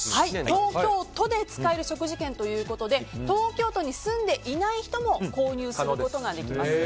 東京都で使える食事券ということで東京都に住んでいない人も購入することができます。